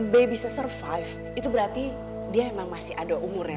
baby seserve itu berarti dia emang masih ada umurnya